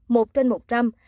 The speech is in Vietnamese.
một trên một trăm